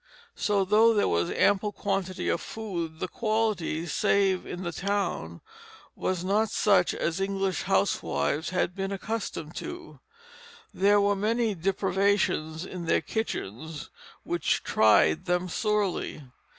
So though there was ample quantity of food, the quality, save in the town, was not such as English housewives had been accustomed to; there were many deprivations in their kitchens which tried them sorely.